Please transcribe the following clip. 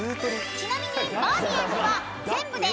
［ちなみに］